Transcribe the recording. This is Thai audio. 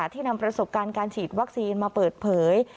นำประสบการณ์การฉีดวัคซีนมาเปิดเผย